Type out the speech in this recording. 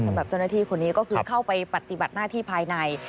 สำหรับเจ้าหน้าที่คนนี้ก็คือเข้าไปปฏิบัติหน้าที่ภายใน